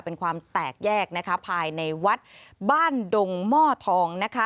เป็นความแตกแยกนะคะภายในวัดบ้านดงหม้อทองนะคะ